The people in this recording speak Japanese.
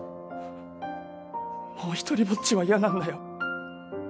もう独りぼっちは嫌なんだよ。